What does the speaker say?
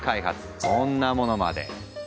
こんなものまで。